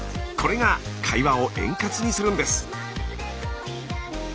これが会話を円滑にするんです。